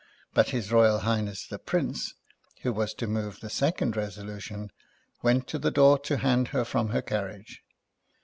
But His Royal Highness the Prince (who was to move the second resolution), went to the door to hand her from her carriage.